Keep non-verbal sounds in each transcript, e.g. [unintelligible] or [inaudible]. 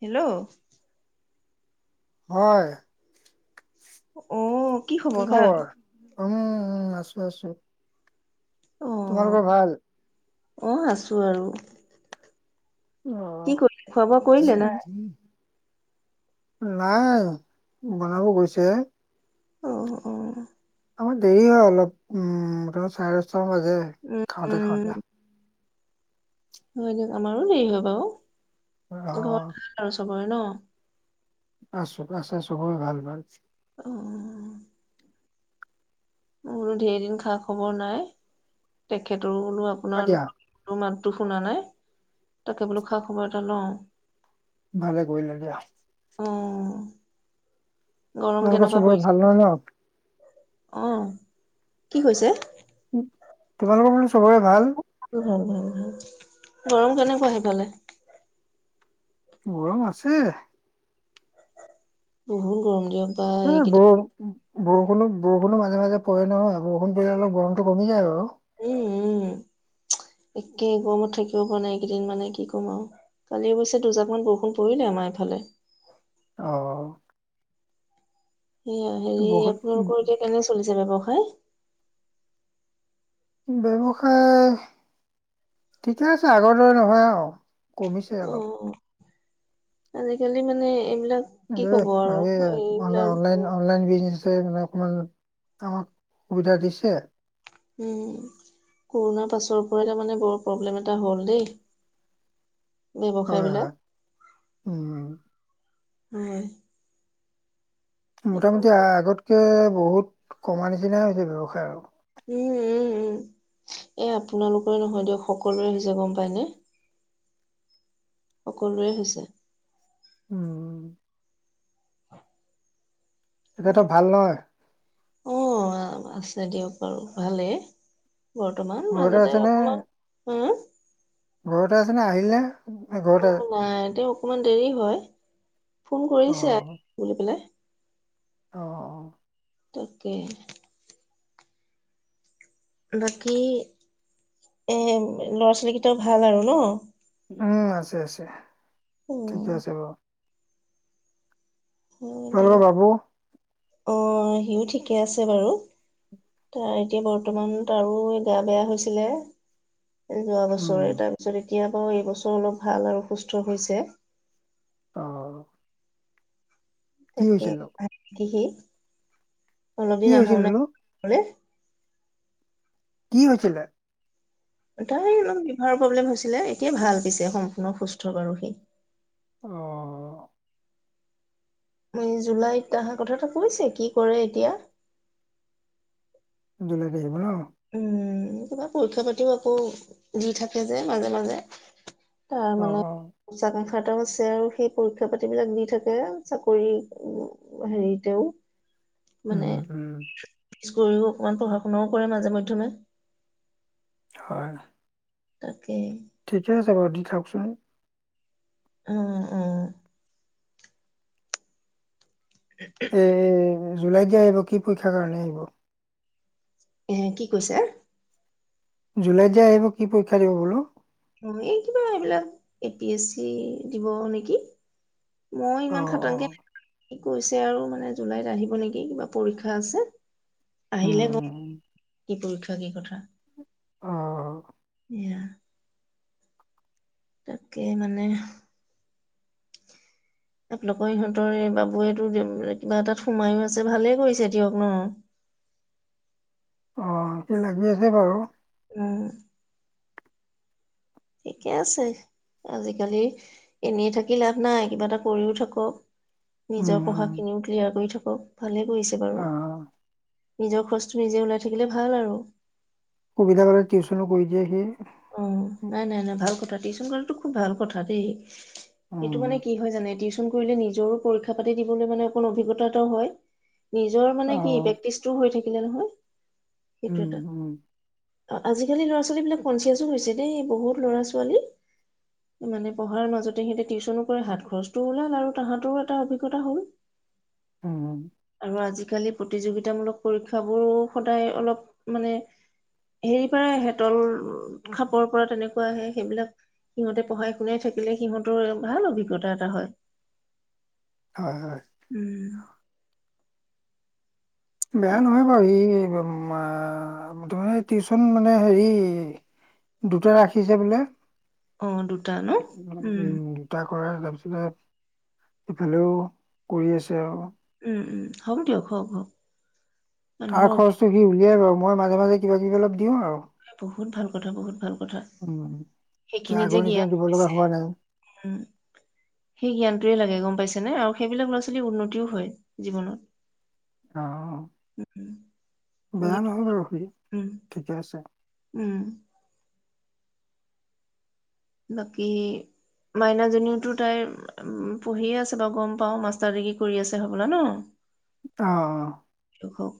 Hello. হয়। অ'। কি খবৰ? উম উ আছো আছো। অ তোমালোকৰ ভাল? অ' আছো আৰু। কি আহ। কৰিলে খোৱা বোৱা কৰিলে না নাই, বনাব গৈছে। অ' অ' আমাৰ দেৰি হয় অলপ উম চাৰে দচটামান বাজে উম খাওঁতে উম খাওঁতে, হয় দিয়ক আমাৰো দেৰি হয়ব অ' অহ হেল্লো। আছু, আছে সবেৰে ভাল ভাল। উম বোলো ধেৰ দিন খা খবৰ নাই, তেখেত লো হয় দিয়া আপোনালোকৰ মাত [unintelligible] তোৰ শুনা নাই, তাকে বোলো খা খবৰ এটা লওঁ। ভালে কৰিলা দিয়া। অ গৰম আপোনালোকৰ কেনেকুৱা চবৰ পৰিছে ভাল নহয় ন? অ', কি কৈছে? তোমালোকৰ বোলো চবৰে ভাল? [unintelligible] গৰম কেনেকুৱা সেফালে? গৰম আছে। বহুত গৰম দিয়ক। বা [unintelligible] এইকেইটা বৰষুণো, বৰষুণো মাজে, মাজে পৰে নহয় বৰষুণ পৰিলে অলপ গৰমটো কমি যায় বাৰু। একেই গৰমত থাকিব পৰা নাই এই কেইদিন মানে, কি ক'ম আৰু কালি অৱশ্যে দুজাক মান বৰষুণ পৰিলে আমাৰ এইফালে। অ'। এইয়া হেৰি বৰষুণ আপোনালোকৰ এতিয়া কেনে চলিছে? ব্যৱসা [unintelligible] ব্যৱসায়, ঠিকে আছে আগৰ দৰে নহয় আৰু। কমিছে অ অলপ। আজিকালি মানে এইবিলাক [unintelligible] কি ক'ব আৰু অনলাইন, এইবিলাক অনলাইন, অনলাইন বিজনেচ মানে অকনমান আমাক সুবিধা দিছে। উম, কৰোণাৰ পাছৰ পৰাই তাৰ মানে বৰ প্ৰব্লেম এটা হ'ল দেই। ব্যৱসায় হয় বিলাক -হয় উম -উম। [unintelligible] কি কব মোটামুটি আগত তাকে বহুত কমা নিচিনাই হৈছে ব্যৱসায় আৰু উম -উম -উম, এই আপোনালোকৰে নহয় দিয়ক সকলোৰে হৈছে গম পায়নে। সকলোৰে হৈছে। উম এতিয়াতো ভাল নহয় অ', আছে দিয়ক বাৰু ভালেই বৰ্তমান ঘৰতে মাজতে আছেনে অকমান, হো ঘৰতে আছেনে, আহিলে নে? ঘৰতে অ', নাই তেওঁ অকমান দেৰি হয়, ফোন কৰিছে বুলি পেলাই। অঁ, অঁ। তাকে। বাকী এ ল'ৰা ছোৱালী কেইটা ভাল আৰু ন? উম, আছে আছে। অ ঠিকে আছে বাৰু। হয় দিয়ক আপোনালোকৰ বাবু? অ' সিওঁ ঠিকে আছে বাৰু, তাৰ এতিয়া বৰ্তমান আৰু গা বেয়া হৈছিলে যোৱা উম বছৰে, তাৰ পিছত এতিয়া বাৰু এইবছৰ অলপ ভাল আৰু সুস্থ হৈছে। অঁ। তাকে, কিহে? অলপ কি দিন হৈছিল আহায়ে নাই বোলো কি হৈছিলে? তাই সেই এলপ লীভাৰ প্ৰব্লেম হৈছিলে, এতিয়া ভাল পাইছে, সম্পূৰ্ণ সুস্থ বাৰু সি। অ'। উম জুলাইত অহাৰ কথাটো কৈছে কি কৰে এতিয়া। জুলাইত আহিব ন? উম। কিবা পৰীক্ষা পাতিও আকৌ দি থাকে যে মাজে মাজে। তাৰ অ' মানে অ' সচাকে টাতো আছে আৰু সেই পৰীক্ষা পাতিবিলাক দি থাকে চাকৰি হেৰিতেও। উম উম। চাকৰিও, অকমান পঢ়া শুনাও কৰে মাজে মাজে। জুলাইত হয়। তাকেই। ঠিকে আছে বাৰু দি থাওকচোন। উম উম। এই জুলাইত যে আহিব কি পৰীক্ষাৰ কাৰণে আহিব? এ কি কৈছা? জুলাইত যে আহিব, কি পৰীক্ষা দিব বোলো? অ' এই কিবা এইবিলাক, এ পি এছ চি দিব নেকি। মই অ' ইমান অ' খতাংকে কি কৈছে আৰু মানে জুলাইত আহিব নেকি কিবা পৰীক্ষা আছে। উম, আহিলে গ উম, কি পৰীক্ষা কি কথা। অ'। এয়া তাকে মানে, আপলোকৰ ইিহঁতৰ এই বাবুতো কিবা এটাত সোমায়ো আছে ভালেই কৰিছে দিয়ক ন। অ' সি লাগি আছে বাৰু। উ। ঠিকে আছে। আজিকালি এনেই থাকি লাভ নাই কিবা এটা কৰিও থাকক। উম, নিজৰ উম, পঢ়া খিনিও ক্লিয়াৰ কৰি থ অ'। ভালেই পৰিছে বাৰু। অ' নিজৰ খৰচটো নিজে ওলাই থাকিলে ভাল আৰু। সুবিধা পালে টিউশনও কৰি দিয়ে সি অ', নাই নাই-নাই ভাল কথা, টিউশচন কৰাটো খুব ভাল কথা দেই। এইটো উম, মানে কি হয় জানে টিউ কৰিলে নিজৰো পৰীক্ষা পাতি দিবলৈ মানে অকণ অভিজ্ঞতা এটাও হয়। নিজৰ মানে কি অ' প্ৰেক্টিছটো হৈ থাক [unintelligible] সেইটো উম, এটা। উম, অ', আজিকালি ল'ৰা ছোৱালী বিলাক কনচিয়াছো হৈছে দেই বহুত ল'ৰা ছোৱালী মানে পঢ়াৰ মাজতে সিহঁতে টিউচনো কৰে হাত খৰচটোও ওলাল আৰু তাহাঁতৰো এটা অভিজ্ঞতা হ'ল। উম। আৰু আজিকালি প্ৰতিযোগিতামূলক পৰীক্ষাবোৰো সদায় অলপ মানে হেৰি পাৰে হেতল খাপৰ পৰা তেনেকুৱা আহে, সেইবিলাক সিহঁতে পঢ়াই শুনাই থাকিলে সিহঁতৰ ভাল অভিজ্ঞতা এটা হয়। হয়- হয়। উম, বেয়া তাক নহয় বাৰু সি [unintelligible] টিউচন মানে হেৰি দুটা ৰাখিছে বোলে। অ' দু উম, তা কৰে তাৰপিছতে ইফালেও কৰি আছে আৰু। উম- উম হ'ব দিয়ক, হওক- হওক। তাৰ মানুহৰ অভিনয় খৰচটো সি উলিয়াই লয়, মই মাজে- মাজে কিবা কিবি অলপ দিওঁ আৰু। [inaudible] বহুত ভাল কথা বহু ভাল কথা, উম, তে সেইখিনি যে আগৰ নিচিনা জ্ঞান দিব লগা হৈছে, হোৱা নাই উম, সেই জ্ঞানটোৱে লাগে গম পাইছে নে আৰু সেইবিলাক ল'ৰা ছোৱালীৰ উন্নতিও হয় জীৱনত। অ', উম- উম। বেয়া পঢ়ি নহয় বাৰু সি, ঠিকেই আছে। উম। বাকী মাইনাজনীউতো তাইৰ পঢ়িয়ে আছে বাৰু গম পাও, মাষ্টাৰ ডিগ্ৰী কৰি আছে হ'বলা ন। অ'। [unintelligible] হওক হওক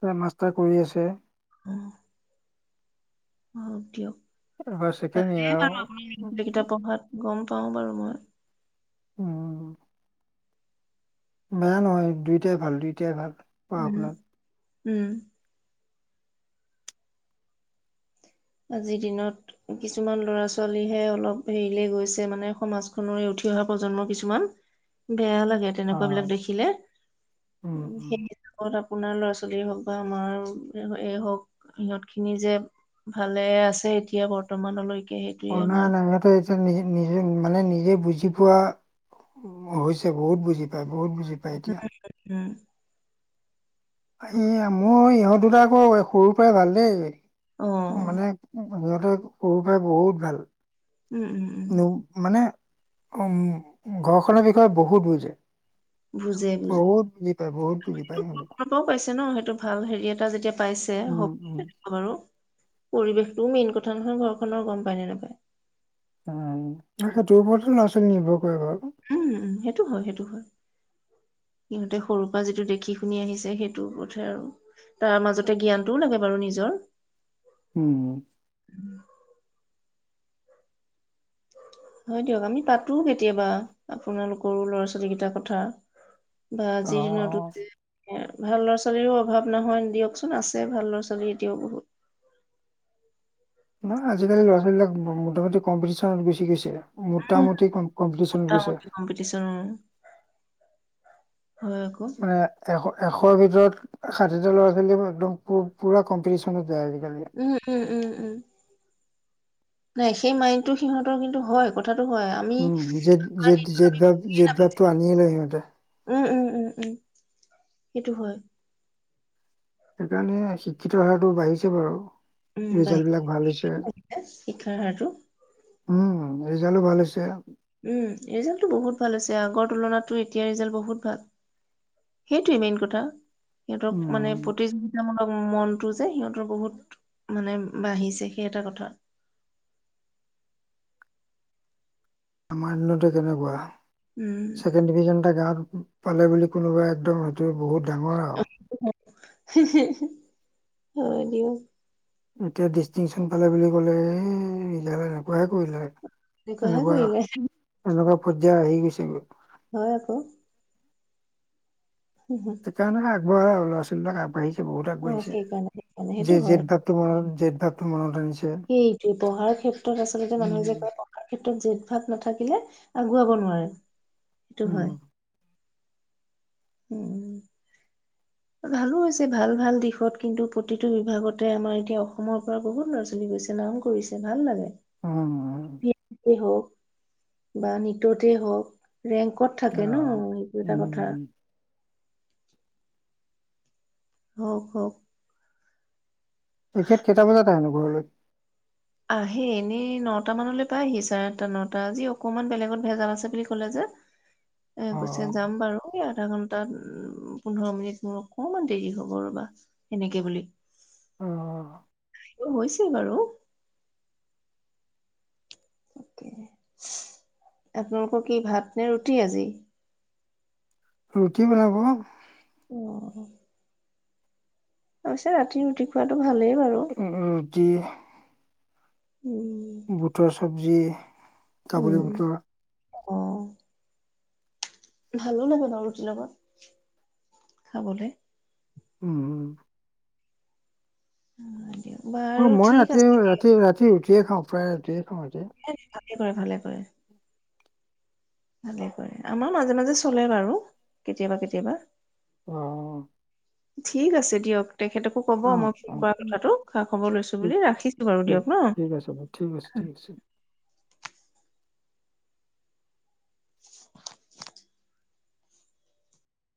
হয়, কৰি আছে। উম্। অ', দিয়ক। এবাৰ ছেকেণ্ড ইয়েৰ আৰু। [unintelligible] পঢ়াত গম পাওঁ বাৰু মই। উম। বেয়া নহয়, দুইটাই ভাল দুইটাই ভাল। উম পঢ়া-শুনাত। উম। আজিৰ দিনত কিছুমান ল'ৰা ছোৱালীহে অলপ হেৰিলে গৈছে মানে সমাজখনৰে উঠি অহা প্ৰজন্ম কিছুমান, বেয়া লাগে অ', তেনেকুৱা বিলাক দেখিলে, উম, উম। সেই। [unintelligible] আপোনাৰ ল'ৰা ছোৱালী হওক বা আমাৰ এই হওক সিহঁত খিনি যে ভালেই আছে এতিয়া বৰ্তমানলৈকে। সেইটোৱে অ' নাই আমাৰ নাই, সিহঁতে এতিয়া নি নিজে মানে নিজে বুজি বুজি পোৱা হৈছে, বহুত বুজি পায়। বহুত বুজি পায়, এতিয়া। উম। এইয়া মই ইহঁত দুটা আকৌ সৰুৰ পৰাই ভাল দেই। অ', মানে উম সিহঁতে সৰুৰ পৰাই বহুত ভাল। উম, উম, উম, মানে উম, ঘৰখনৰ বিষয়ে বহুত বুজে। বুজে বুজে বহুত বুজি পায়, বহুত বুজি পায় উম। টো ভাল হেৰি এটা যেতিয়া পাইছে। উম হব উম। [unintelligible] বাৰু। পৰিৱেশটোও মেইন কথা নহয় ঘৰখনৰ। গম পায় নে নাপায়? উম, না, সেইটোৰ ওপৰতো লৰা-ছোৱালী নিৰ্ভৰ কৰে ঘৰত। উম, উম, সেইটো হয় সেইটো হয়। সিহঁতে সৰুৰ পৰা যিটো দেখি শুনি আহিছে সেইটোৰ পথে আৰু, তাৰ মাজতে জ্ঞানটোও লাগে বাৰু নিজৰ। উম। হয় দিয়ক। আমি পাতো কেতিয়াবা, আপোনালোকৰো ল'ৰা ছোৱালী কেইটাৰ কথা। আজিৰ অ' দিনটোত যে [unintelligible] ভাল ল'ৰা ছোৱালীৰো অভাৱ নহয় দিয়কচোন। আছে ভাল ল'ৰা ছোৱালী এতিয়াও বহুত। নহ আজিকালি ল'ৰা ছোৱালীবিলাক ম মোটামোটি কম্পিটিচনত গুচি গৈছে। উম মোটামোটি কম কম্পিটিচনত গৈছে। মোটামুটি কম্পিটিচন উম। হয় আকৌ। মানে এশ এশৰ ভিতৰত ষাঠিটা ল'ৰা ছোৱালী একদম পুৰা কম্পিটিশনত যায়। আজিকালি। উম উম উম। উম। নাই সেই মাইন্ডটো সিহঁতৰ কিন্তু হয় ক উম জে জেদ জেদ ভাৱ জেদ ভাৱটো আনিয়ে লয় সিহঁতে। উম উম উম উম, সেইটো হয়। সেইকাৰণে আ শিক্ষিতৰ হাৰটো বাঢ়িছে বাৰু। উম ৰিজাল্ট বাঢ়িলে বিলাক ভাল হৈছে। উম, শিক্ষাৰ হাৰটো। ৰিজাল্টো ভাল হৈছে। উম ৰিজাল্টটো বহুত ভাল হৈছে, আগৰ তুলনাততো এতিয়া ৰিজাল্ট বহুত ভাল, সেইটোৱে মেইন কথা। সিহঁতক মানে উম, প্ৰতিযোগিতামূলক উম মনতটো যে, সিহঁতৰ বহুত মানে বাঢ়িছে, সেই এটা কথা। আমাৰ দিনতে কেনেকুৱা উম। ছেকেণ্ড ডিভিজন এটা গাঁও পালে বুলি কোনোবা একদম এইটোৱে বহুত ডাঙৰ আৰু। হয় দিয়ক। এতিয়া ডিষ্টিংচন পালে বুলি ক'লে, এ ৰিজাল্ট এনেকুৱাহে কৰিলে। এনেকুৱাহে তেনেকুৱা কৰিলে এনেকুৱা পৰ্যায় আহি গৈছে। তেওঁলোক হয় আকৌ। [unintelligible] [unintelligible] ল'ৰা ছোৱালী বিলাক আগবাঢ়ি বহুত অ আগবঢ়িছে। সেইকাৰণে সেইকাৰণে সেইটো যে হয় যেদ ভাবটো মনত জেদভাৱ টো মনত আনিছে। সেইটোৱে, পঢ়াৰ ক্ষেত্ৰত আচলতে মানুহে উম, যে কয়, পঢ়াৰ ক্ষেত্ৰত যে ভাৱ নাথাকিলে, আগুৱাব নোৱাৰি। উম। উম, ভালো হৈছে ভাল ভাল দিশত কিন্তু প্ৰতিটো বিভাগতে আমাৰ এতিয়া অসমৰ পৰা বহুত ল'ৰা ছোৱালী গৈছে, নাম কৰিছে, ভাল লাগে। উম উম। ই হওক, বা নিততে হওক। ৰেংকত থাকে ন? অ', এইটো এটা কথা। উম, হওক হওক। তেখেত কেইটা বজাত আহেনো ঘৰলৈ? আহে, এনেই নটা মানলৈ পায়হি, চাৰে আঠটা নটা, আজি অকমান বেলেগত ভেজাল আছে বুলি কলে যে। এ গুছে অ', যাম বাৰু এয়া। আধা ঘন্টাত পোন্ধৰ মিনিট মোৰ অকণমান দেৰি হ'ব ৰ'বা এনেকে বুলি। অ'। আহিব হৈছে বাৰু। আপোনালোকৰ কি, ভাত নে ৰুটি আজি? ৰুটি বনাব। অ'। অবশ্য ৰাতি ৰুটি খোৱাতটো উম ৰুটি বুটৰ চব্জি। যি কাবুলি উম। বটুৰ। অ'। ভালো লাগে বাৰু ৰুটিৰ লগত খাবলৈ। উম। [inaudible] অ' মই ঠিক ৰাতি আছে দিয়ক। ৰাতি ৰাতি ৰুটিয়ে খাও প্ৰায় ৰুটিয়ে খাও। [inaudible] কৰে ভালে কৰে। ভালে কৰে, আমাৰ মাজে মাজে চলে বাৰু, কেতিয়াবা কেতিয়াবা। অহ। ঠিক আছে দিয়ক। তেখেতকো ক'ব অ', মই ফোন অ', কৰা কথাটো, খা খবৰ লৈছো বুলি, ঠিক ৰাখিছো বাৰু ঠিক দিয়ক ঠিক আছে বাৰু ঠিক আছে ন। ঠিক আছে।